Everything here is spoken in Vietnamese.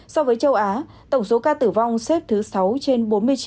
so với châu á tổng số ca tử vong xếp thứ sáu trên bốn mươi chín